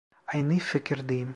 Aynı fikirdeyim.